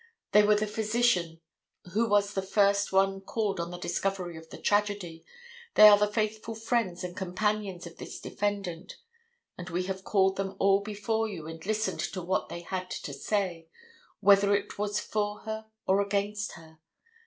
They were the physician who was the first one called on the discovery of the tragedy. They are the faithful friends and companions of this defendant. And we have called them all before you and listened to what they had to say, whether it was for her or against her.